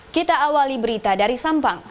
kita awali berita dari sampang